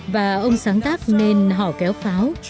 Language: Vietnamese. và ông sáng tác nên họ kéo pháo